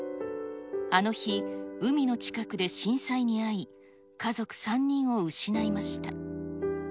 あの日、海の近くで震災に遭い、家族３人を失いました。